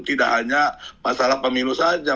tidak hanya masalah pemilu saja